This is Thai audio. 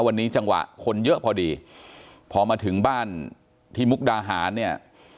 วันนี้จังหวะคนเยอะพอดีพอมาถึงบ้านที่มุกดาหารเนี่ย